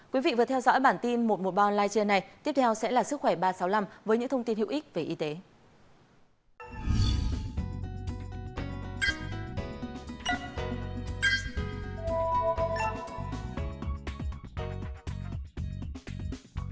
cảm ơn các bạn đã theo dõi và hẹn gặp lại